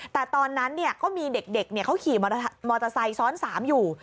แต่ตอนนั้นก็มีเด็กเขาขี่มอเตอร์ไซค์ซ้อน๓อยู่